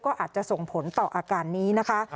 ก็อาจจะส่งผลต่ออาการนี้นะคะ